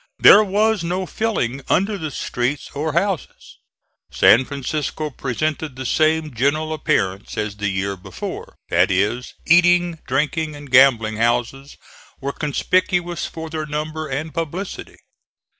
There was no filling under the streets or houses. San Francisco presented the same general appearance as the year before; that is, eating, drinking and gambling houses were conspicuous for their number and publicity.